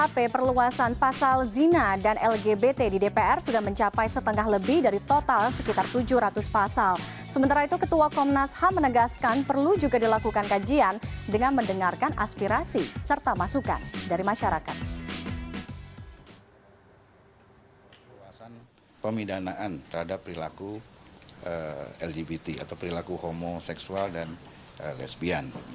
perluasan pemindahan terhadap perilaku lgbt atau perilaku homoseksual dan lesbian